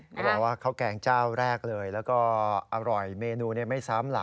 หมายถึงว่าข้าวแกงเจ้าแรกเลยแล้วก็อร่อยเมนูไม่ซ้ำหลากหลาย